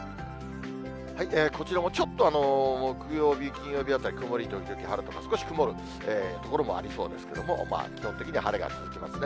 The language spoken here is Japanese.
こちらもちょっと木曜日、金曜日あたり、曇り時々晴れとか、少し曇る所もありそうですけども、まあ、基本的に晴れが続きますね。